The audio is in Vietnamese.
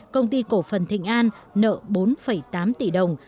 công ty cổ phần thịnh an nợ bốn tám tỷ đồng